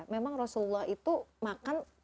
memang rasulullah itu makan